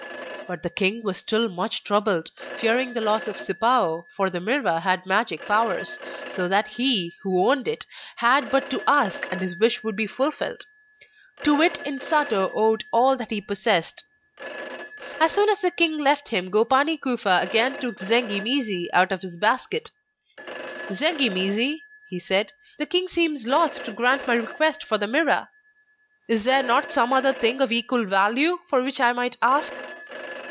But the king was still much troubled, fearing the loss of Sipao, for the mirror had magic powers, so that he who owned it had but to ask and his wish would be fulfilled; to it Insato owed all that he possessed. As soon as the king left him, Gopani Kufa again took Zengi mizi, out of his basket. 'Zengi mizi,' he said, 'the king seems loth to grant my request for the Mirror is there not some other thing of equal value for which I might ask?